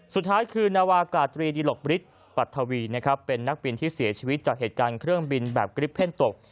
สุดท้ายคือนาวากาตรีดิหลกบริษฐ์ปัททวีนะครับเป็นนักบินที่เสียชีวิตจากเหตุการณ์เครื่องบินแบบกริปเพ่นตก